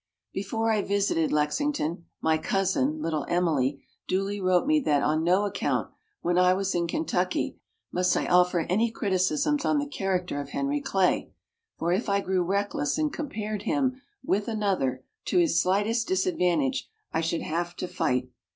Before I visited Lexington, my cousin, Little Emily, duly wrote me that on no account, when I was in Kentucky, must I offer any criticisms on the character of Henry Clay; for if I grew reckless and compared him with another to his slightest disadvantage, I should have to fight.